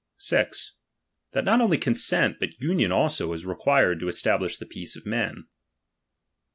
6. That not only consent, but union also, is required to establisli the peace of men.